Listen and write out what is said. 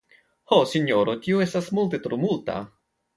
Ho, sinjoro, tio estas multe tro multa.